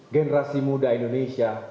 generasi muda indonesia